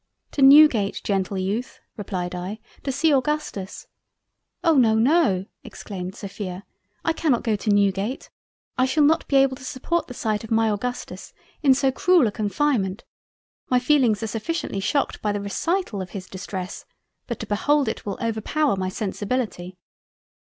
"To Newgate Gentle Youth (replied I), to see Augustus." "Oh! no, no, (exclaimed Sophia) I cannot go to Newgate; I shall not be able to support the sight of my Augustus in so cruel a confinement—my feelings are sufficiently shocked by the recital, of his Distress, but to behold it will overpower my Sensibility."